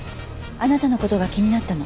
あなたの事が気になったの。